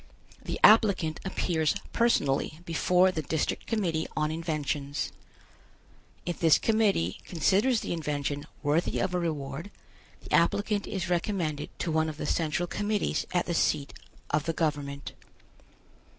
The applicant appears personally before the District Committee on Inventions. If this Committee considers the invention worthy of a reward, the applicant is recommended to one of the Central Committees at the seat of the government.